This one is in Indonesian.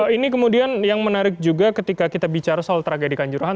ini kemudian yang menarik juga ketika kita bicara soal tragedi kanjuruhan